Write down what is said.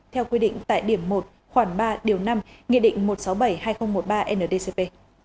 theo quy định tại điểm một khoảng ba điều năm nghị định một trăm sáu mươi bảy hai nghìn một mươi ba ndcp